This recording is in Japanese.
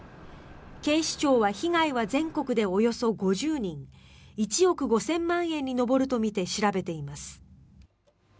警視庁は被害は全国でおよそ５０人１億５０００万円に上るとみて調べています。